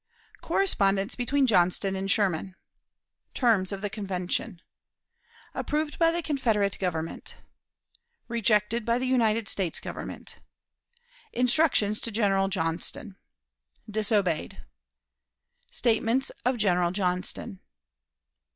Correspondence between Johnston and Sherman. Terms of the Convention. Approved by the Confederate Government. Rejected by the United States Government. Instructions to General Johnston. Disobeyed. Statements of General Johnston.